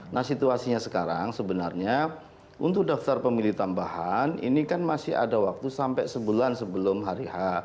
nah situasinya sekarang sebenarnya untuk daftar pemilih tambahan ini kan masih ada waktu sampai sebulan sebelum hari h